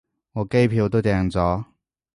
我機票都訂咗